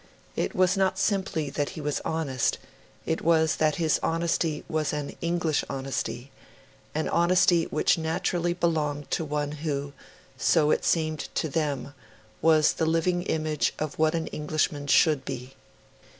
It was not simply that he was honest: it was that his honesty was an English honesty an honest which naturally belonged to one who, so it seemed to them, was the living image of what an Englishman should be.